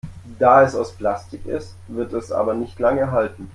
Da es aus Plastik ist, wird es aber nicht lange halten.